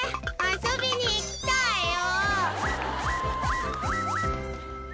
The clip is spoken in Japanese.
遊びに行きたいよ！